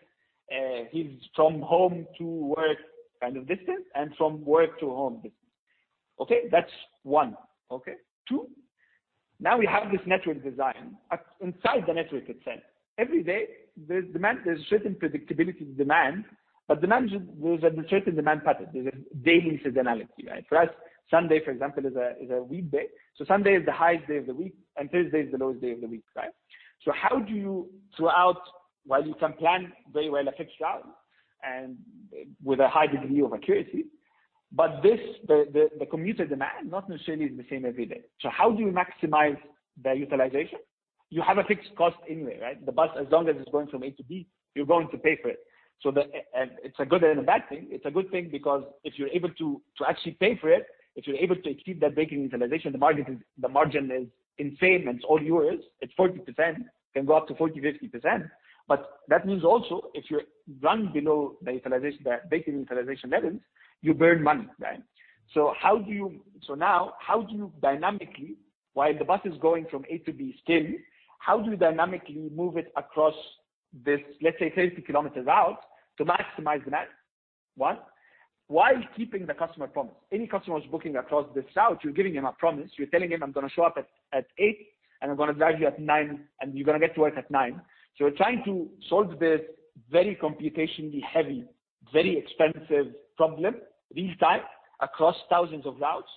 his from home to work kind of distance and from work to home distance. Okay? That's one. Okay? Two, now we have this network design. Inside the network itself, every day there's a certain predictability to demand, but there's a certain demand pattern. There's a daily seasonality, right? For us, Sunday, for example, is a weekday. Sunday is the highest day of the week, and Thursday is the lowest day of the week, right? How do you throughout, while you can plan very well a fixed route and with a high degree of accuracy, but the commuter demand not necessarily is the same every day. How do you maximize their utilization? You have a fixed cost anyway, right? The bus, as long as it's going from A to B, you're going to pay for it. It's a good and a bad thing. It's a good thing because if you're able to actually pay for it, if you're able to achieve that breaking utilization, the margin is insane, and it's all yours. It's 40%, can go up to 40%, 50%. That means also, if you run below the breaking utilization levels, you burn money. Now, while the bus is going from A to B still, how do you dynamically move it across this, let's say, 30 kilometers route, to maximize demand? One, while keeping the customer promise. Any customer who's booking across this route, you're giving him a promise. You're telling him, "I'm going to show up at 8:00, and I'm going to drive you at 9:00, and you're going to get to work at 9:00." You're trying to solve this very computationally heavy, very expensive problem, real time, across thousands of routes,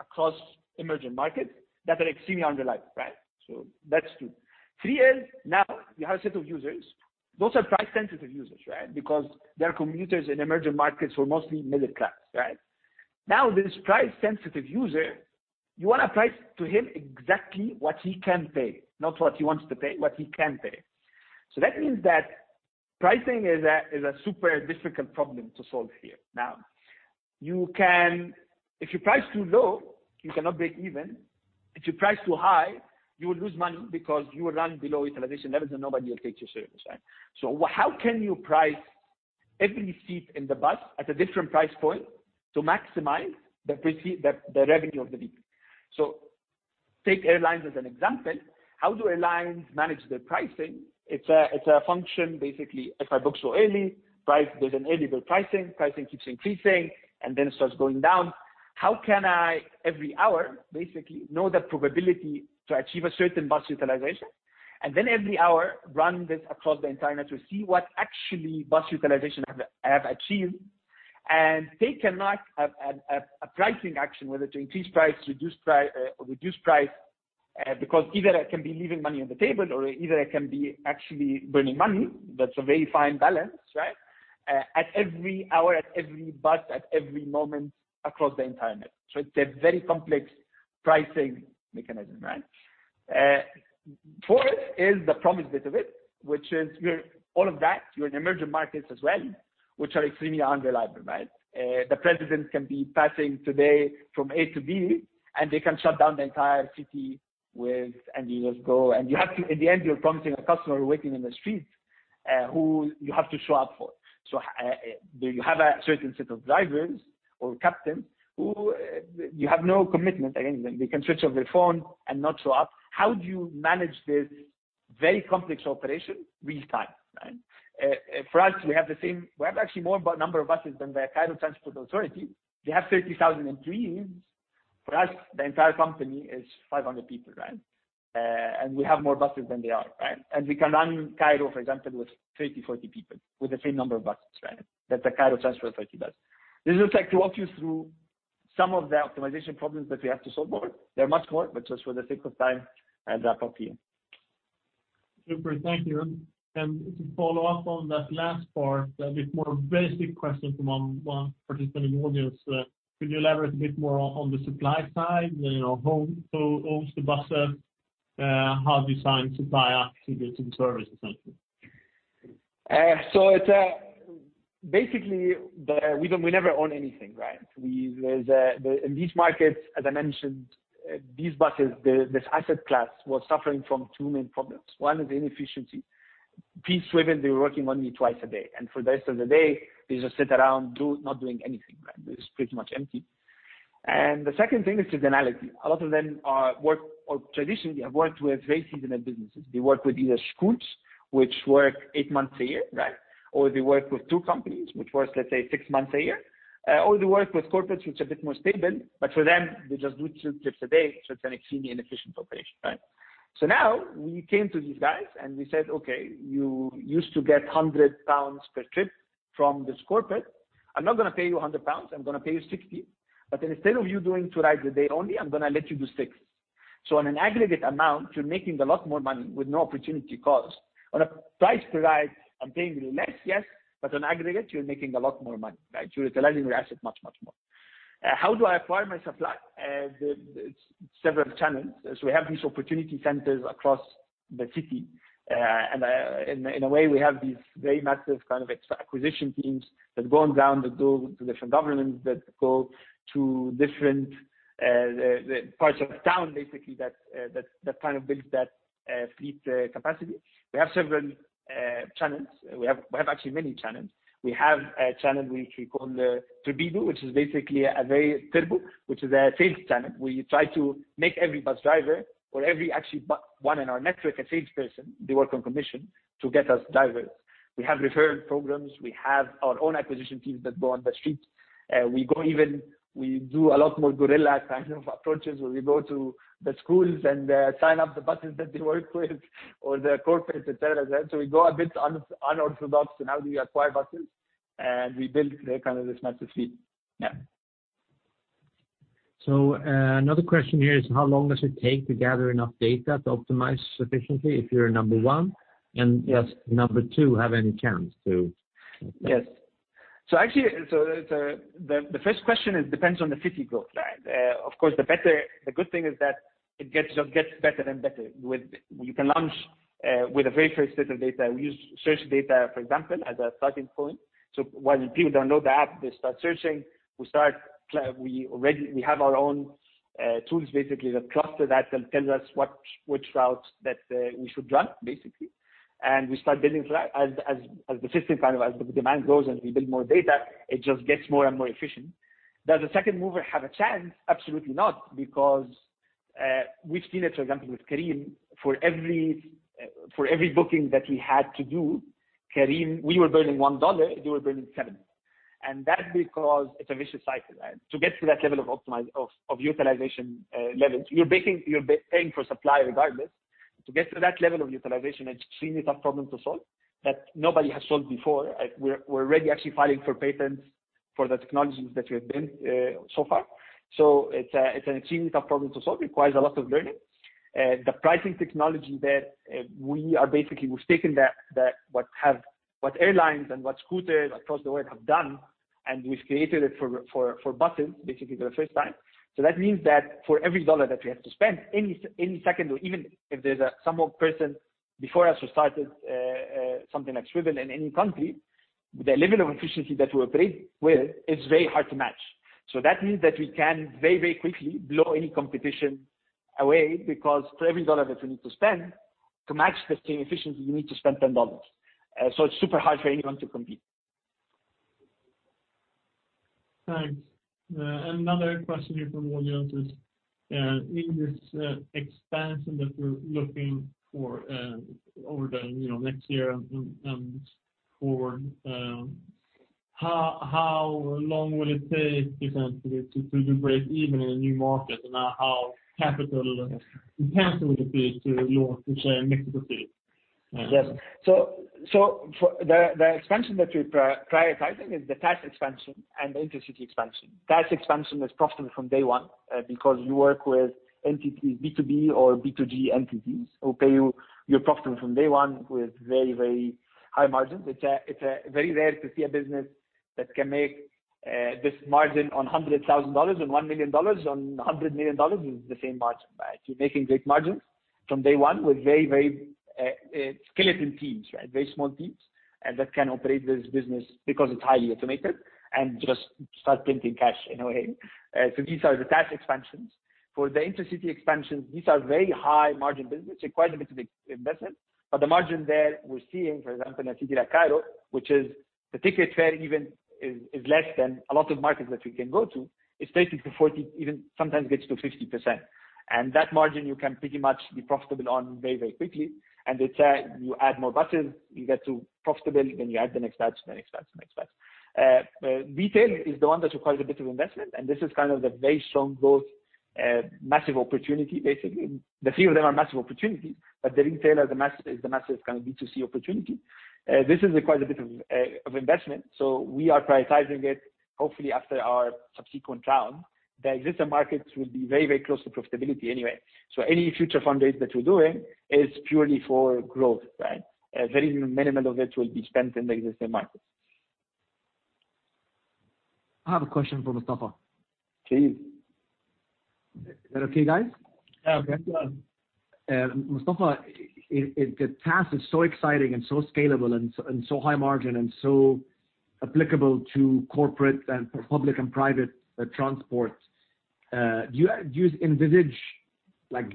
across emerging markets that are extremely unreliable. That's two. Three is, now you have a set of users. Those are price-sensitive users, because they are commuters in emerging markets who are mostly middle class. Now, this price-sensitive user, you want to price to him exactly what he can pay, not what he wants to pay, what he can pay. That means that pricing is a super difficult problem to solve here. Now, if you price too low, you cannot break even. If you price too high, you will lose money because you will run below utilization levels and nobody will take your service. How can you price every seat in the bus at a different price point to maximize the revenue of the week? Take airlines as an example. How do airlines manage their pricing? It's a function, basically, if I book so early, there is an early bird pricing keeps increasing, and then it starts going down. How can I, every hour, basically know the probability to achieve a certain bus utilization, and then every hour run this across the entire network, see what actually bus utilization I have achieved, and take a pricing action, whether to increase price, reduce price, because either I can be leaving money on the table or either I can be actually burning money. That's a very fine balance. At every hour, at every bus, at every moment across the entire network. It's a very complex pricing mechanism. Four is the promise bit of it, which is all of that, you're in emerging markets as well, which are extremely unreliable. The president can be passing today from A to B, and they can shut down the entire city, and you lose load. In the end, you're promising a customer waiting in the street, who you have to show up for. You have a certain set of drivers or captains who you have no commitment against them. They can switch off their phone and not show up. How do you manage this very complex operation real time? For us, we have actually more number of buses than the Cairo Transport Authority. They have 3,000 employees. For us, the entire company is 500 people. We have more buses than they are. We can run Cairo, for example, with 30, 40 people with the same number of buses that the Cairo Transport Authority does. This is just like to walk you through some of the optimization problems that we have to solve for. There are much more, but just for the sake of time, I'll stop here. Super. Thank you. To follow up on that last part, a bit more basic question from one participant in the audience. Could you elaborate a bit more on the supply side? Who owns the buses? How do you sign supply up to the service, et cetera? Basically, we never own anything. In these markets, as I mentioned, these buses, this asset class, was suffering from two main problems. One is the inefficiency. Piece driven, they were working only twice a day, and for the rest of the day, they just sit around, not doing anything. They're just pretty much empty. The second thing is seasonality. A lot of them work, or traditionally, have worked with very seasonal businesses. They work with either schools, which work eight months a year. They work with tour companies, which works, let's say, six months a year. They work with corporates, which are a bit more stable, but for them, they just do two trips a day, so it's an extremely inefficient operation. Now, we came to these guys and we said, "Okay, you used to get 100 pounds per trip from this corporate. I'm not going to pay you SEK 100, I'm going to pay you 60. Instead of you doing two rides a day only, I'm going to let you do six. On an aggregate amount, you're making a lot more money with no opportunity cost. On a price per ride, I'm paying you less, yes, on aggregate, you're making a lot more money. You're utilizing your asset much, much more. How do I acquire my supply? There's several channels. We have these opportunity centers across the city, and in a way, we have these very massive kind of acquisition teams that go on down the door to different governments, that go to different parts of town, basically, that build that fleet capacity. We have several channels. We have actually many channels. We have a channel which we call the Tribidu, which is basically a very turbo, which is a sales channel. We try to make every bus driver or every actually one in our network a salesperson. They work on commission to get us drivers. We have referral programs. We have our own acquisition teams that go on the street. We do a lot more guerrilla kind of approaches, where we go to the schools and sign up the buses that they work with or the corporates, et cetera, then. We go a bit unorthodox on how do we acquire buses, and we build this massive fleet. Yeah. Another question here is how long does it take to gather enough data to optimize sufficiently if you're number one? Yes. Does number two have any chance to compete? Yes. Actually, the first question, it depends on the city growth. Of course, the good thing is that it just gets better and better. You can launch with a very first set of data. We use search data, for example, as a starting point. While people don't know the app, they start searching. We have our own tools, basically, that cluster that and tells us which route that we should run, basically, and we start building. As the demand grows and we build more data, it just gets more and more efficient. Does a second mover have a chance? Absolutely not, because we've seen it, for example, with Careem, for every booking that we had to do, we were burning SEK 1, they were burning 7. That's because it's a vicious cycle. To get to that level of optimization, of utilization levels, you're paying for supply regardless. To get to that level of utilization, it's extremely tough problem to solve that nobody has solved before. We're already actually filing for patents for the technologies that we have built so far. It's an extremely tough problem to solve, requires a lot of learning. The pricing technology there, we've taken what airlines and what scooters across the world have done, and we've created it for buses, basically for the first time. That means that for every $1 that we have to spend, any second, or even if there's some person before us who started something like Swvl in any country, the level of efficiency that we operate with is very hard to match. That means that we can very, very quickly blow any competition away, because for every $1 that you need to spend, to match the same efficiency, you need to spend $10. It's super hard for anyone to compete. Thanks. Another question here from Williams is, in this expansion that you're looking for over the next year and forward, how long will it take, for example, to break even in a new market? How capital intense will it be to launch, let's say, in Mexico City? Yes. For the expansion that we're prioritizing is the TaaS expansion and the intra-city expansion. TaaS expansion is profitable from day one because you work with entities, B2B or B2G entities, who pay you. You're profitable from day one with very, very high margins. It's very rare to see a business that can make this margin on $100,000, on $1 million, on $100 million, is the same margin. You're making great margins from day one with very, very skeleton teams, very small teams that can operate this business because it's highly automated and just start printing cash in a way. These are the TaaS expansions. For the intra-city expansions, these are very high-margin business, require a bit of investment, but the margin there we're seeing, for example, in a city like Cairo, which is the ticket fare even is less than a lot of markets that we can go to, it's 30%-40%, even sometimes gets to 50%. That margin you can pretty much be profitable on very, very quickly. You add more buses, you get to profitable, then you add the next batch, the next batch, the next batch. Retail is the one that requires a bit of investment, and this is kind of the very strong growth, massive opportunity, basically. The few of them are massive opportunities, but the retailer is the massive kind of B2C opportunity. This requires a bit of investment, so we are prioritizing it. Hopefully, after our subsequent round, the existing markets will be very, very close to profitability anyway. Any future fundraise that we're doing is purely for growth. Very minimal of it will be spent in the existing markets. I have a question for Mostafa. Please. Is that okay, guys? Yeah. Mostafa, the TaaS is so exciting and so scalable and so high margin and so applicable to corporate and public and private transport. Do you envisage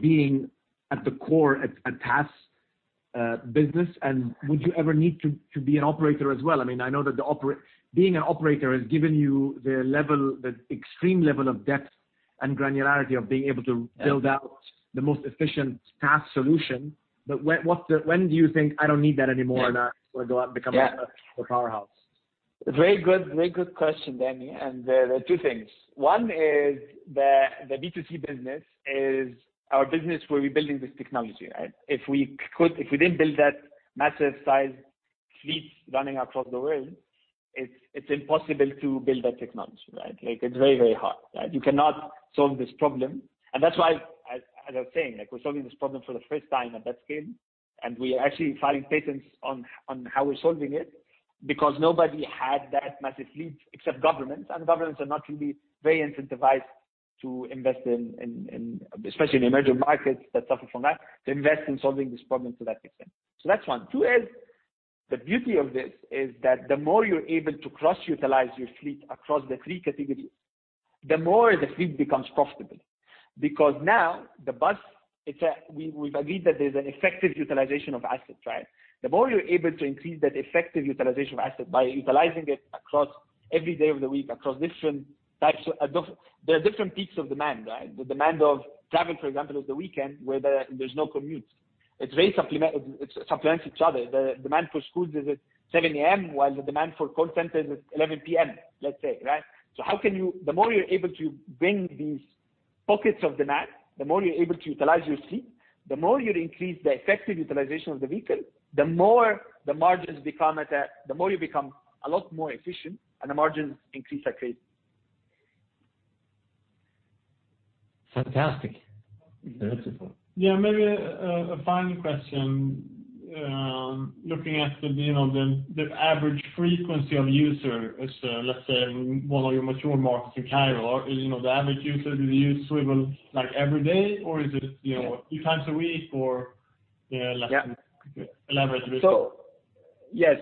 being at the core, a TaaS business, and would you ever need to be an operator as well? I know that being an operator has given you the extreme level of depth and granularity of being able to build out the most efficient TaaS solution. When do you think, "I don't need that anymore," and sort of go out and become a powerhouse? Very good question, Dany. There are two things. One is the B2C business is our business where we're building this technology. If we didn't build that massive size fleets running across the world, it's impossible to build that technology. It's very, very hard. You cannot solve this problem, and that's why, as I was saying, we're solving this problem for the first time at that scale. We are actually filing patents on how we're solving it, because nobody had that massive fleet except governments, and governments are not really very incentivized to invest in, especially in emerging markets that suffer from that, to invest in solving this problem to that extent. That's one. Two is, the beauty of this is that the more you're able to cross-utilize your fleet across the three categories, the more the fleet becomes profitable. Now, the bus, we've agreed that there's an effective utilization of assets, right? The more you're able to increase that effective utilization of assets by utilizing it across every day of the week, across different types of. There are different peaks of demand, right? The demand of travel, for example, of the weekend, where there's no commutes. It supplements each other. The demand for schools is at 7:00 A.M., while the demand for call centers is 11:00 P.M., let's say, right? The more you're able to bring these pockets of demand, the more you're able to utilize your fleet, the more you increase the effective utilization of the vehicle, the more you become a lot more efficient, and the margins increase accordingly. Fantastic. Beautiful. Yeah, maybe a final question. Looking at the average frequency of user as, let's say, one of your mature markets in Cairo. The average user, do they use Swvl every day, or is it a few times a week, or less than that? Elaborate a bit. Yes.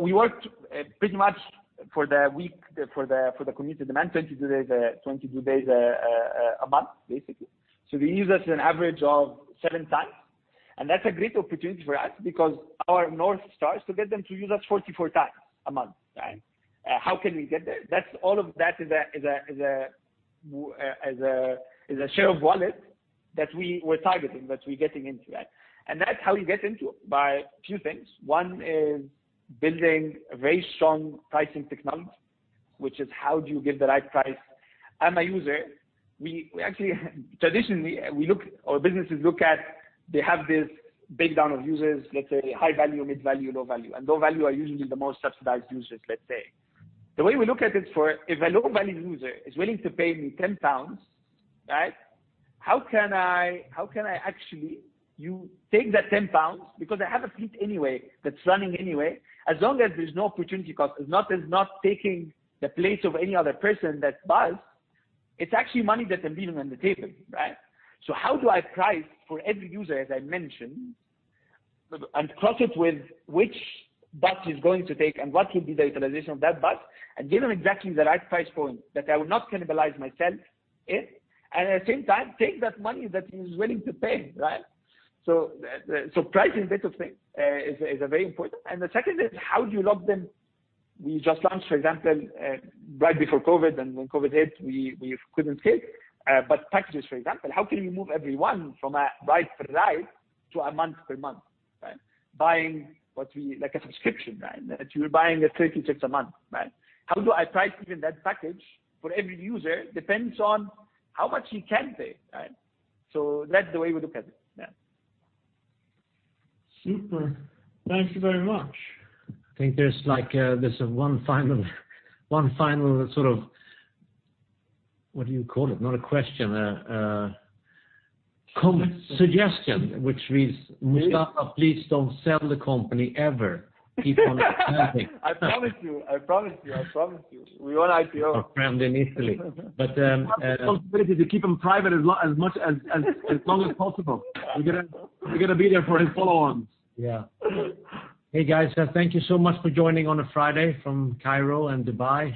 We worked pretty much for the week, for the commuter demand, 22 days a month, basically. They use us an average of seven times, and that's a great opportunity for us because our north starts to get them to use us 44 times a month. How can we get there? All of that is a share of wallet that we were targeting, that we're getting into. That's how we get into it, by a few things. One is building very strong pricing technology, which is how do you give the right price? I'm a user. Traditionally, our businesses look at, they have this breakdown of users, let's say high value, mid value, low value. Low value are usually the most subsidized users, let's say. The way we look at it, if a low-value user is willing to pay me KES 10, how can I actually take that KES 10, because I have a fleet that's running anyway, as long as there's no opportunity cost, as long as it's not taking the place of any other person, that bus, it's actually money that I'm leaving on the table. How do I price for every user, as I mentioned, and cross it with which bus he's going to take and what will be the utilization of that bus, and give him exactly the right price point that I will not cannibalize myself in, and at the same time, take that money that he's willing to pay? Pricing is a very important thing. The second is how do you lock them? We just launched, for example, right before COVID, and when COVID hit, we couldn't scale, but packages, for example, how can we move everyone from a ride per ride to a month per month. Buying a subscription. That you're buying 30 trips a month. How do I price even that package for every user depends on how much he can pay. That's the way we look at it. Yeah. Super. Thank you very much. I think there's one final, sort of, what do you call it? Not a question, a comment, suggestion, which reads, "Mostafa, please don't sell the company, ever." Keep on trucking. I promise you. We want IPO. Our friend in Italy. We want the responsibility to keep him private as long as possible. We're going to be there for his follow-ons. Yeah. Hey, guys. Thank you so much for joining on a Friday from Cairo and Dubai.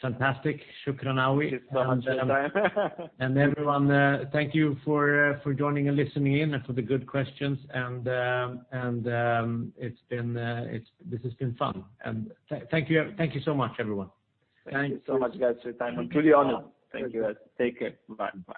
Fantastic. Everyone, thank you for joining and listening in, and for the good questions, and this has been fun. Thank you so much, everyone. Thank you so much, guys, for your time. I'm truly honored. Thank you, guys. Take care. Bye-bye.